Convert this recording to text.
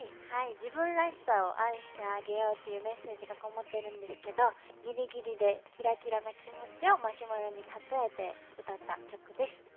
自分らしさを愛してあげようというメッセージがこもってるんですけどギリギリでキラキラな気持ちをマシュマロにたとえて歌った曲です。